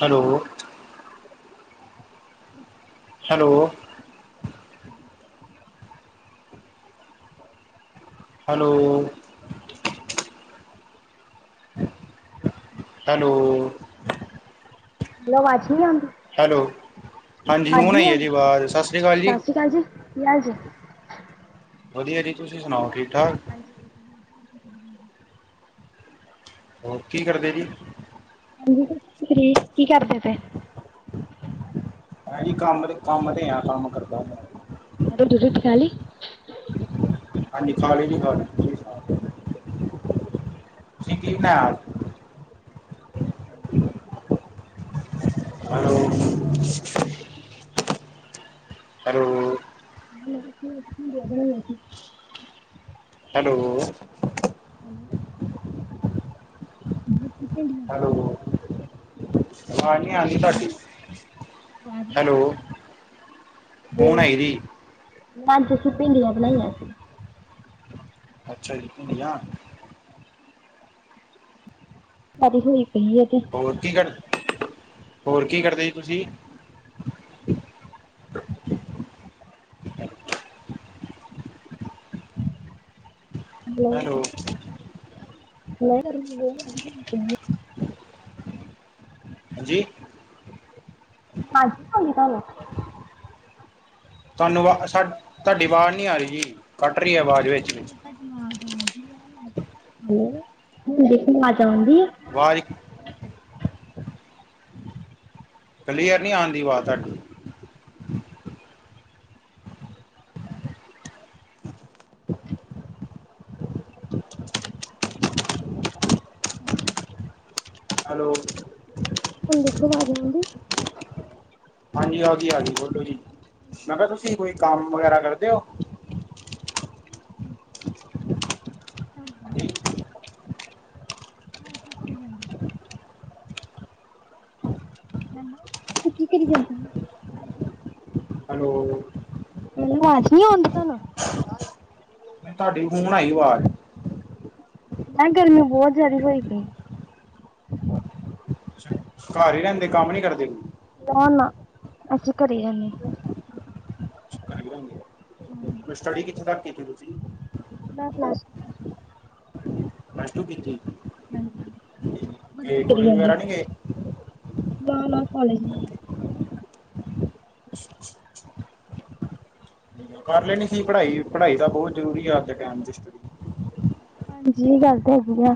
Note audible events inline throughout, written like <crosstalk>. Hello. ਅ <inaudible> hello. Hello. Hello. ਆਵਾਜ਼ ਨੀ ਆਂਦੀ। ਹੈਲੋ, ਹਾਂਜੀ ਹੁਣ ਆਈ ਏ ਜੀ ਵਾਜ਼ ਸਸ ਸ੍ਰੀ ਕਾਲ ਜੀ। ਠੀਕ ਆ ਜੀ। ਯ ਆ ਜੀ <unintelligible> ਵਦੀਆ ਜੀ ਤੁਸੀਂ ਸੁਣਾਓ ਠੀਕ ਠਾਕ। ਹਾਂਜੀ, ਵਦੀਆ <unintelligible> ਹੋਰ ਕੀ ਕਰਦੇ ਜੀ? ਹਾਂਜੀ, ਸਤੀ <unintelligible> ਕੀ ਕਰਦੇ ਪੇ। ਐਹੀ ਕੰਮ ਤੇ, ਕੰਮ ਤੇ ਆ ਕੰਮ ਕਰਦਾ ਪਿਆ। ਦ ਖਾਲੀ <unintelligible> ਹਾਂਜੀ, ਨਿਖਾ <unintelligible> ਤੁਸੀ ਕੀ ਲੈਨਾ। <unintelligible> ਹੈਲੋ। ਹੈਲੋ। ਹਾਂ ਠੀਕ <unintelligible> ਹੈਲੋ। ਹੈਲੋ। ਹੈਲੋ, ਆਵਾਜ ਨੀ ਆਂਦੀ ਤੁਆਡੀ। ਹੈਲੋ, ਹੁਣ ਆਈ ਜੀ। ਮੈ ਜਸੀਂ ਭਿੰਡੀਆਂ ਬਣਾਈਆਂ ਸੀ। ਅੱਛਾ ਜੀ ਭਿੰਡੀਆਂ। ਵਧੀ ਹੋਈ ਪਈ ਹੈ ਤੇ ਹੋਰ ਕੀ ਕਰ, ਹੋਰ ਕੀ ਕਰਦੇ ਸੀ ਤੁਸੀਂ। ਹੈਲੋ ਮ <unintelligible> ਹਾਂਜੀ। <unintelligible> ਤੁਹਾਨੂੰ ਆਵਾ ਸਾ ਤੁਆਡੀ ਵਾਜ਼ ਨੀ ਆ ਰੀ ਜੀ ਕੱਟ ਰੀ ਐ ਵਾਜ਼ ਵਿੱਚ-ਵਿੱਚ। ਹੈਲੋ ਹੁਣ ਦੇਖੀ ਵਾਜ਼ ਆਉਂਦੀ ਆ। ਵਾਜ ਕਲੀਅਰ ਨੀ ਆਉਂਦੀ ਵਾਜ਼ ਤੁਆਡੀ। <unintelligible> ਹਾਂ। ਹੈਲੋ। ਹੁਣ ਦੇਖੋ ਵਾਜ਼ ਆਉਂਦੀ। ਹਾਂਜੀ ਆਗੀ- ਆਗੀ, ਬੋਲੋ ਜੀ ਮੈਂ ਕਿਆ ਤੁਸੀਂ ਕੋਈ ਕੰਮ ਵਗੈਰਾ ਕਰਦੇ ਓ। ਨੀ ਹਾਂਜੀ ਹੋਰ ਕੀ ਕਰੀ ਜਾਂਦੇ। <unintelligible> ਹੈਲੋ ਮੇਰੀ ਆਵਾਜ਼ ਨੀ ਆਉਂਦੀ ਤੁਹਾਨੂੰ। ਤੁਹਾਡੀ ਹੁਣ ਆਈ ਆਵਾਜ਼ ਮੈਂ ਗਰਮੀ ਬਹੁਤ ਜਿਆਦਾ ਹੋਈ ਪਈ। ਘਰ ਹੀ ਰਹਿੰਦੇ ਕੰਮ ਨੀ ਕਰਦੇ ਕਿ? ਨਾ-ਨਾ ਅਸੀਂ ਘਰੇ ਹੀ <unintelligible> <unintelligible> ਹਾਂ ਸਟੱਡੀ ਕਿੱਥੇ ਤੱਕ ਕੀਤੀ ਤੁਸੀ? ਮੈ ਪਲਸ ਪਲਸ ਟੂ ਕਿੱਤੀ। ਹਾਂਜੀ ਕੋਲੇਜ <unintelligible> ਵਗੈਰਾ ਨਹੀਂ ਗਏ ਨਾ ਨਾ ਕੋਲਜ ਨੀ <unintelligible> ਕਰ ਲੈਣੀ ਸੀ ਪੜ੍ਹਾਈ, ਪੜ੍ਹਾਈ ਤਾਂ ਬਹੁਤ ਜ਼ਰੂਰੀ ਆ ਅੱਜ ਦੇ ਟਾਮ ਜਿਸ ਹਾਂਜੀ ਏ ਗੱਲ ਤਾਂ ਹੈ ਆ।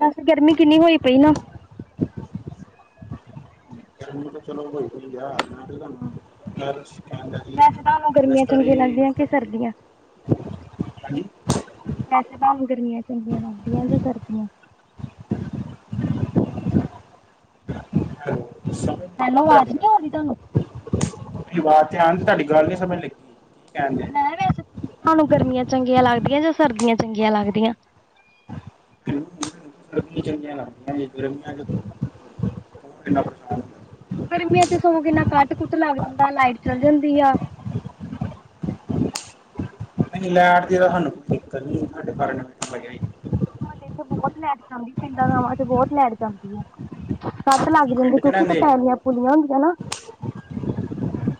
ਵੈਸੇ ਗਰਮੀ ਕਿੰਨੀ ਹੋਈ ਪਈ ਨਾ। ਮੈਂ ਚਲੋ ਵੈਸੇ ਤੁਹਾਨੂੰ ਗਰਮੀਆਂ ਚੰਗੀਆਂ ਲੱਗਦੀਆਂ <unintelligible> ਸਰਦੀਆਂ ਚ। ਹਾਂਜੀ ਵੈਸੇ ਤਾਂ ਹੁਣ ਗਰਮੀਆਂ ਚੰਗੀਆਂ ਲੱਗਦੀਆਂ ਯਾ ਸਰਦੀਆਂ। ਸ ਹੈਲੋ ਆਵਾਜ਼ ਨੀ ਆ ਰਹੀ ਤੁਹਾਨੂੰ? ਤੁ ਆਵਾਜ਼ ਤੇ ਆਉਣ ਤੇ ਤੁਹਾਡੀ ਗੱਲ ਨੀ ਸਮਝ ਲੱਗੀ ਕੀ ਕਹਿਣਡੇ। ਹਾਂਨੂੰ ਗਰਮੀਆਂ ਚੰਗੀਆਂ ਲੱਗਦੀਆਂ ਜਾਂ ਸਰਦੀਆਂ ਚੰਗੀਆਂ ਲੱਗਦੀਆਂ। ਗਰਮੀਆਂ ਚੰਗੀਆਂ ਲਗਦੀਆਂ ਜੇ ਗਰਮੀਆਂ ਚ <unintelligible> ਗਰਮੀਆਂ ਚ ਸਗੋਂ ਕਿੰਨਾ ਕੱਟ ਕੁੱਟ ਲੱਗ ਜਾਂਦਾ ਲਾਈਟ ਚਲ ਜਾਂਦੀ ਆ। ਨਹੀਂ ਲੈਟ ਦੀ ਤਾਂ ਸਾਨੂੰ ਕੋਈ ਦਿੱਕਤ ਨੀ ਸਾਡੇ ਘਰ ਇਨਵਰਟਰ ਲੱਗਿਆ ਸਾਡੇ ਇਥੇ ਬਹੁਤ ਲੈਟ ਜਾਂਦੀ ਪਿੰਡਾਂ ਗਾਵਾਂ ਚ ਬਹੁਤ ਲੈਟ ਜਾਂਦੀ ਹੈ। ਕੱਟ ਲੱਗ ਜਾਂਦੇ ਪਿੰਡ ਚ ਕਿਉਂਕਿ ਤਾਂ ਰਹਿੰਦੇ ਪੈਲੀਆਂ ਪੂਲੀਆਂ ਹੁੰਦੀਆਂ ਨਾ।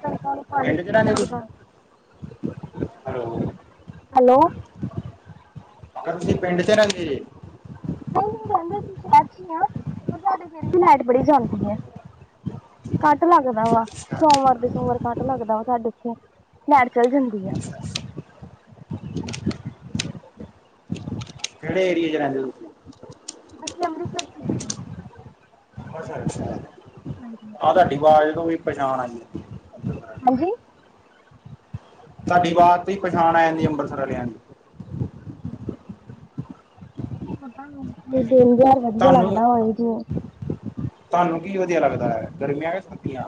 ਕਣਕਾਂ ਨੂੰ ਪਿੰਡ ਚ ਪਾਣੀ-ਪੂਣੀ ਰਹਿੰਦੇ ਤੁਸੀਂ ਲੱਗਦਾ। ਹੈਲੋ ਕਲਸੀ ਪਿੰਡ ਚ ਰਹਿੰਦੀ ਏ। ਨਈ-ਨਈ ਰਹਿੰਦੇ ਅਸੀਂ ਸ਼ਹਿਰ ਚ ਹੀ ਹ ਪਰ ਸਾਡੇ ਫਿਰ ਵੀ ਲਾਈਟ ਬੜੀ ਜਾਂਦੀ ਹੈ। ਕਤ ਲੱਗਦਾ ਵਾ ਸੋਮਵਾਰ ਦੇ ਸੋਮ ਚੋਰ ਕਟ ਲੱਗਦਾ ਵਾ ਸਾਡੇ ਉੱਥੇ ਲੈਟ ਚੱਲ ਜਾਂਦੀ ਆ। ਕਿਹੜੇ ਏਰੀਏ ਚ ਰਹਿੰਦੇ ਤੁਸੀ। ਅਸੀਂ ਅੰਮ੍ਰਿਤਸਰ ਚ ਰਹਿੰਦੇ ਹਾਂ ਹਾਂਜੀ ਆਹ ਤੁਹਾਡੀ ਵਾਜ ਨੂੰ ਵੀ ਪਛਾਣ ਆਈ। ਹਾਂਜੀ ਤੁਹਾਡੀ ਵਾਜ ਤੇ ਹੀ ਪਛਾਣ ਆ ਜਾਂਦੀ ਅੰਮ੍ਰਿਤਸਰ ਵਾਲਿਆਂ ਦੀ। ਦਿਨ ਜਿਹਾ ਵਧੀਆ ਤੁਹਾਨੂੰ ਲੱਗਦਾ ਵਾ ਉੰੰਝ। ਤੁਹਾਨੂੰ ਕੀ ਵਧੀਆ ਲੱਗਦਾ ਹੈ-ਗਰਮੀਆਂ ਕੇ ਸਰਦੀਆਂ?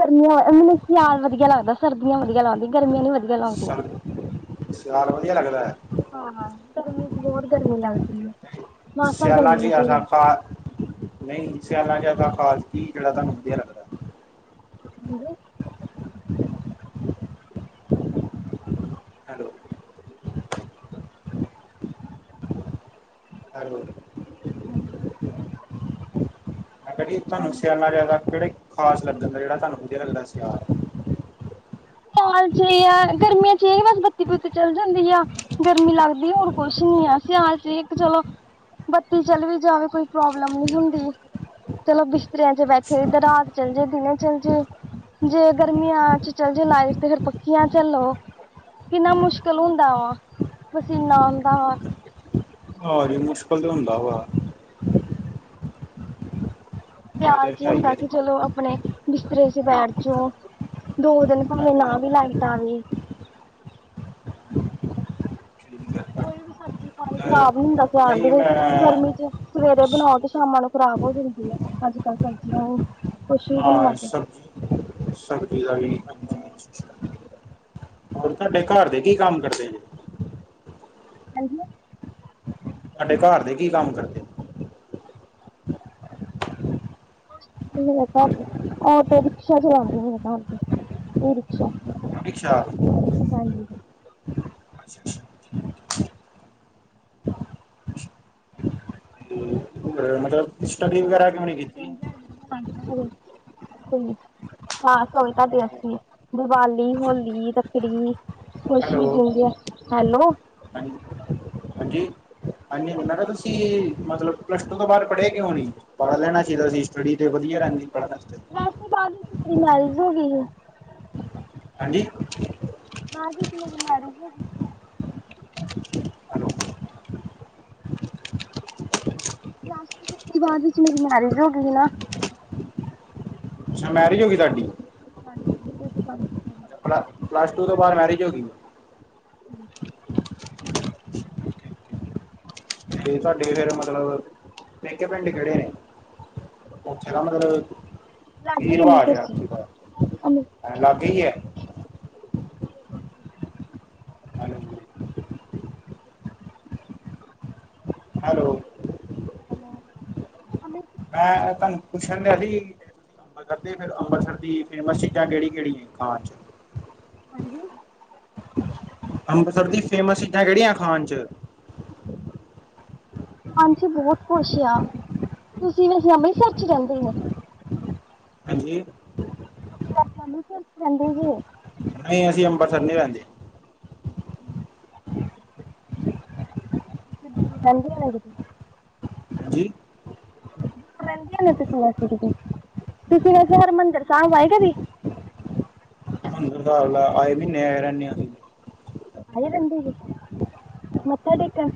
ਗਰਮੀਆਂ ਮੈਨੂੰ ਸਿਆਲ ਵਧੀਆ ਲੱਗਦਾ, ਸਰਦੀਆਂ ਵਧੀਆ ਲਗਦੀ ਗਰਮੀਆਂ ਨੀ ਵਧੀਆ ਲੱਗਦੀਆਂ ਸਾਨੂੰ ਸਿਆਾਲ ਵਧੀਆ ਲੱਗਦਾ ਐ। ਹਾਂ-ਹਾਂ ਗਰਮੀ ਚ ਬੋਹਤ ਗਰਮੀ ਲੱਗਦੀ ਹੈ। ਸਿਆਲਾਂ ਚ ਐਸਾ ਖਾ, ਨਹੀਂ ਸਿਆਲਾਂ ਚ ਐਸਾ ਖਾਸ ਜਿਹੜਾ ਤੁਹਾਨੂੰ ਵਧੀਆ ਲੱਗਦਾ। <unintelligible> <unintelligible> ਹੈਲੋ ਹੈਲੋ ਹਾਜ ਮੈਂ ਕਿਹਾ ਜੀ ਤੁਹਾਨੂੰ ਸਿਆਲਾਂ ਜਾਦਾ ਕਿਹੜੇ ਖਾਸ ਲੱਗਨ ਜਿਹੜਾ ਤੁਹਾਨੂੰ ਵਧੀਆ ਲਗਦਾ ਸਿਆਲ਼। ਸਿਆਲ ਚ ਏ ਆ ਗਰਮੀਆਂ ਚ ਇਹ ਬੱਤੀ-ਬੁੱਤੀ ਚੱਲ ਜਾਂਦੀ ਆ ਗਰਮੀ ਲੱਗ ਵੀ ਹੁਣ ਕੁਛ ਨੀ ਧੀਮਾਨ ਚ ਇੱਕ ਚਲੋ। ਬੱਤੀ ਚਲ ਵੀ ਜਾਵੇ, ਕੋਈ ਪ੍ਰੋਬਲਮ ਨੀ ਹੁੰਦੀ। ਚਲੋ ਬਿਸਤਰਿਆਂ ਚ ਬੈਠੇ, ਇੱਧਰ ਰਾਤ ਚਲ ਜੇ, ਦਿਨੇ ਚੱਲ ਜੇ ਜੇ ਗਰਮੀਆਂ ਚ, ਚੱਲ ਜੇ ਲਾਈਟ ਤੇ ਫਿਰ ਪੱਖੀਆਂ ਚੱਲੋ। ਕਿੰਨਾ ਮੁਸ਼ਕਿਲ ਹੁੰਦਾ ਵਾ, ਪਸੀਨਾ ਆਉਂਦਾ ਵਾ। ਹਾਜੀ ਮੁਸਕਿਲ ਤੇ ਹੁੰਦਾ ਵਾ ਆ ਤਾਂ ਸਿਆਲ ਚ ਹੈ ਹੀ ਹੁੰਦਾ ਹੈ ਕਿ ਜੀ ਚਲੋ ਆਪਣੇ ਬਿਸਤਰੇ ਚ ਬੈਠ ਜੋ। ਦੋ ਦਿਨ ਭਾਵੇਂ, ਨਾ ਵੀ ਲਾਈਨ ਆਵੇ। ਕੋਈ ਵੀ ਸਬਜ਼ੀ-ਪਾਣੀ ਖ਼ਰਾਬ ਨੀ ਹੁੰਦਾ ਅਹ ਸਿਆਲ ਦੇ ਨਹੀਂ ਵਿੱਚ ਮੈਂ ਗਰਮੀ ਚ ਸਵੇਰੇ ਬਣਾਓ ਤੇ ਸ਼ਾਮਾਂ ਨੂੰ ਖ਼ਰਾਬ ਹੋ ਜਾਂਦੀ ਏ। ਅੱਜ-ਕੱਲ ਸਬਜ਼ੀਆਂ ਉਹ ਹਾਂ ਸਬ ਸਬਜ਼ੀ ਦਾ ਵੀ ਹਾਂਜੀ। ਹੋਰ ਤਾਡੇ ਘਾਰ ਦੇ ਕੀ ਕੰਮ ਕਰਦੇ ਨੇ? ਹਾਂਜੀ ਤਾਡੇ ਘਰ ਦੇ ਕੀ ਕੰਮ ਕਰਦੇ? ਮੇਰੇ ਘਰ ਆਟੋ ਰਿਕਸ਼ਾ ਚਲਾਉਂਦੇ ਮੇਰੇ ਘਰ ਦੇ, ਈ ਰਿਕਸ਼ਾ! ਇ ਰਿਕਸ਼ਾ ਹਾਂਜੀ <inaudible> ਹੋਰ ਮਤਲਬ ਤੁਸੀਂ ਸਟੱਡੀ ਸੁਣਾਓ ਵਗੈਰਾ ਤੁਹਾਨੂੰ ਕਿਉਂ ਨਹੀਂ ਕੋਈ ਕੀਤੀ ਦਿਨ-ਤਿਉਹਾਰ ਵਧੀਆ ਲੱਗਦਾ ਹੋਵੇ? ਹੂੰ ਖਾਸ ਹੋਵੇ। ਸਾਡੇ ਐਥੇ ਦੀਵਾਲੀ, ਹੋਲੀ, ਰੱਖੜੀ ਹੈਲੋ ਖੁਸ਼ੀ ਦਿੰਦੇ ਐ ਹੈਲੋ ਹਾਂਜੀ, ਹਾਂਜੀ-ਹਾਂਜੀ ਮੈਂ ਕਿਹਾ ਹਾਂਜੀ ਤੁਸੀਂ ਮਤਲਬ ਪਲੱਸ ਟੂ ਤੋਂ ਬਾਦ ਪੜ੍ਹੇ ਕਿਉਂ ਨੀ, ਪੜ੍ਹ ਲੈਣਾ ਚਾਹੀਦਾ ਸੀ। ਸਟੱਡੀ ਤੇ ਵਧੀਆ ਰਹਿੰਦੀ ਪੜ੍ਹਨ ਆਸਤੇ। ਵੈਸੇ, ਬਾਦ ਵਿੱਚ ਮੇਰੀ ਮੈਰਿਜ ਹੋ ਗਈ ਸੀ। ਹਾਂਜੀ ਬਾਦ ਵਿੱਚ ਮੇਰੀ ਮੈਰਿਜ ਹੋ ਪਲੱਸ ਟੂ ਤੋ ਬਾਦ ਵਿੱਚ ਮੇਰੀ ਮੈਰਿਜ ਹੋ ਗਈ ਨਾ ਅੱਛਾ ਮੈਰਿਜ ਹੋ ਗਈ ਤੁਹਾਡੀ। ਹਾਂਜੀ, ਸਰ <unintelligible> ਪਲੱਸ ਟੂ ਤੋਂ ਬਾਦ ਮੈਰਿਜ ਹੋਗੀ। <inaudible> ਤੇ ਤੁਹਾਡੇ ਫੇਰ ਮਤਲਬ, ਪੇਕੇ ਪਿੰਡ ਕਿਹੜੇ ਨੇ? ਉੱਥੇ ਤਾਂ ਮਤ ਕੀ ਲਾਗੇ ਹੀ ਰਵਾਜ ਅੰਮ੍ਰਿਤਸਰ ਆ? ਸੀ ਅੰਮ੍ਰਿਤ ਲਾਗੇ ਈ ਐ। ਠੀਕ ਹੈ ਹੈਲੋ ਹੈਲੋ, ਹਾਂਜੀ ਮੈਂ ਤੁਹਾਨੂੰ ਪੁੱਛਣ ਦਿਆ ਸੀ। ਮੈਂ ਕਦੀ, ਫਿਰ ਅੰਮ੍ਰਿਤਸਰ ਦੀ ਫੇਮਸ ਚੀਜ਼ਾਂ ਕਿਹੜੀ ਕਿਹੜੀ ਖਾਂ ਚ? ਹਾਂਜੀ ਅੰਮ੍ਰਿਤਸਰ ਦੀ ਫੇਮਸ ਚੀਜ਼ਾਂ ਕਿਹੜੀਆਂ ਖਾਣ ਚ? ਹਾਂਜੀ ਬਹੁਤ ਕੋਛ ਆ ਤੁਸੀਂ ਵੈਸੇ ਅੰਮ੍ਰਿਤਸਰ ਚ ਰਹਿੰਦੇ ਹੋ। ਹਾਂਜੀ <unintelligible> ਨਹੀਂ, ਅਸੀਂ ਅੰਬਰਸਰ ਨੀ ਰਹਿੰਦੇ। ਦੂਰ ਰਹਿੰਦੇ ਨੇ- ਜੀ ਦੂਰ ਰਹਿੰਦੀਆਂ ਨਾ ਤੁਸੀਂ ਵੈਸੇ ਕਿਤੇ ਤੁਸੀਂ ਵੈਸੇ ਹਰਿਮੰਦਿਰ ਸਾਹਿਬ ਆਏ ਕਦੀ। ਹਰਿਮੰਦਰ ਸਾਬ ਲੈ ਆਏ ਮਹੀਨੇ ਆਏ ਰਹਿੰਣੇ ਹਾ ਅਸੀ। ਆਏ ਬੰਦੇ ਜੀ। ਮੱਥਾ ਟੇਕਣ,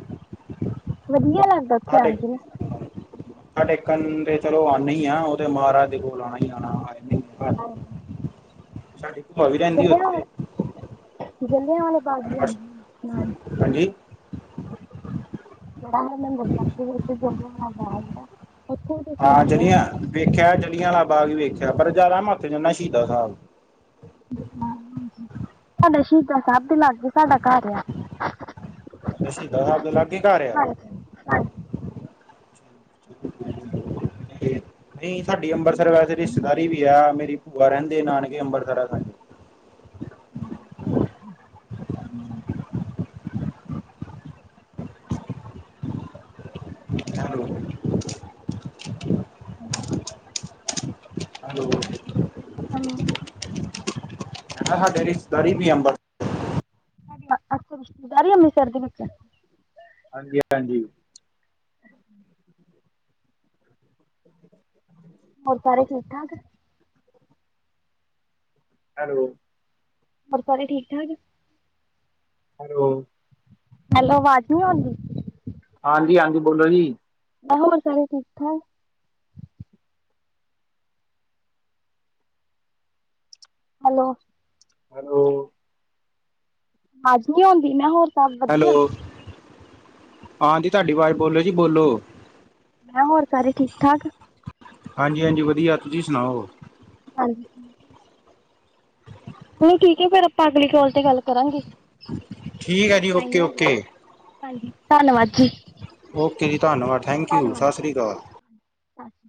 ਵਧੀਆ ਲਾ ਮੱਥਾ ਟੇਕ <unintelligible> ਮੱਥਾ ਟੇਕਣ ਨੂੰ ਤੇ ਚਲੋ ਆਉਂ ਹੀ ਐ। ਉਹ ਤੇ ਮਹਾਰਾਜ ਦੇ ਕੋਲ ਆਣਾ ਈ ਆਉਣਾ। ਹਾਂ ਹਾਂ ਸਾਡੀੇ ਬੂਆ ਵੀ ਰਹਿੰਦੀ ਉੱਥੇ, ਵਾਲੇ ਜਲਿਆਂ ਵਾਲੇ ਬਾਗ ਵੀ ਆਉਂਦੇ ਨਾਲ ਅਮ੍ਰਿਤਸਰ ਹਾਂਜੀ ਜਿਹੜਾ ਹਰਿਮੰਦਰ ਸਾਹਿਬ ਦੇ ਵਿੱਚ ਜਦੋ ਹੋਣਾ ਆਦਾ। ਉੱਥੇ ਵੀ ਤੁਸੀਂ ਆਉਂਦੇ ਹੁੰਦੇ। ਕਿ ਜਲੀਆਂ ਵਾਲਾ ਬਾਗ ਵੇਖਿਆ। ਪਰ ਜ਼ਿਆਦਾ ਮੈ ਉੱਥ ਹੁੰਦਾ ਸ਼ਹੀਦਾਂ ਸਾਬ। ਸਾਡਾ ਸ਼ਹੀਦਾਂ ਸਾਭ ਦੇ ਲਾਗੇ, ਸਾਡਾ ਘਰ ਆ। ਤੇ ਸ਼ਹੀਦ ਸਾਹਿਬ ਦੇ ਲਾਗੇ ਘਰ ਐ? ਹਾਂਜੀ ਹਾਂਜੀ ਤੇ ਨਹੀਂ, ਸਾਡੀ ਅੰਮ੍ਰਿਤਸਰ ਵੈਸੇ ਰਿਸ਼ਤੇਦਾਰੀ ਵੀ ਕਿਆ ਮੇਰੀ ਭੂਆ ਰਹਿੰਦੀਆ ਨਾਨਕੇ Amritsar. <inaudible> Hello hello hello hello ਐਨਾ, ਸਾਡੀ ਰਿਸ਼ਤੇਦਾਰੀ ਹੈਲੋ, ਵੀ ਐ। ਅਮਬਰ ਅੱਛਾ। ਰਿਸ਼ਤੇਦਾਰੀ ਵੀ ਐ ਅਮ੍ਰਿਤਸਰ ਵਿੱਚ। ਹਾਂਜੀ ਹਾਂਜੀ ਅੱਛਾ ਹੋਰ ਸਾਰੇ ਠੀਕ-ਠਾਕ? ਹੈਲੋ ਹੋਰ ਸਾਰੇ ਠੀਕ-ਠਾਕ? ਹੈਲੋ ਹੈਲੋ ਆਵਾਜ਼ ਨੀ ਆਂਦੀ? ਆਦੀ-ਆਦੀ, ਬੋਲੋ ਜੀ। ਬੈਂਸ, ਹੋਰ ਸਾਰੇ ਠੀਕ-ਠਾਕ? ਹੈਲੋ ਹੈਲੋ ਆਵਾਜ਼ ਨਹੀਂ ਆਉਂਦੀ। ਮੈਂ ਹੋਰ ਸਭ ਵਧੀਆ ਹੈਲੋ। ਆਦੀ ਤੁਹਾਡੀ ਆਵਾਜ਼ ਬੋਲ ਜੀ ਬੋਲੋ। ਮੈਂ ਹੋਰ ਸਾਰੇ ਠੀਕ-ਠਾਕ ਹਾਂਜੀ ਹਾਂਜੀ ਵਧੀਆ। ਤੁਸੀਂ ਸੁਣਾਓ। ਹਾਂਜੀ। ਚਲੋ ਠੀਕ ਏ ਫੇਰ, ਆਪਾਂ ਅਗਲੀ ਕੋਲ ਤੇ ਗੱਲ ਕਰਾਂਗੇ। ਠੀਕ ਹੈ ਜੀ ਟਾਈਮ ਓਕੇ ਹੋ ਗੇਆ ਓਕੇ ਸੀ, ਹਾਂਜੀ ਧੰਨਵਾਦ ਜੀ। ਓਕੇ ਜੀ। ਧੰਨਵਾਦ, ਠੈਂਕ ਯੂ, ਸਾਸੀ੍ਕਾਲ। ਅੱਛਾ। <unintelligible>